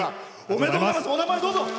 お名前をどうぞ。